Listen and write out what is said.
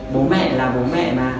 bố mẹ là bố mẹ mà